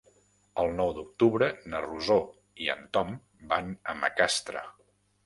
El nou d'octubre na Rosó i en Tom van a Macastre.